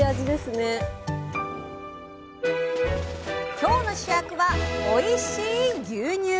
今日の主役はおいしい牛乳。